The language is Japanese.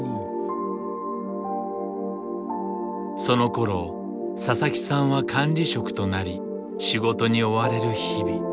そのころ佐々木さんは管理職となり仕事に追われる日々。